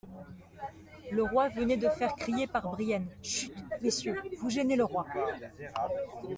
Le roi venait de faire crier par Brienne : Chut ! messieurs, vous gênez le roi.